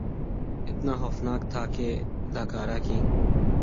اتنا خوفناک تھا کہ اداکارہ کی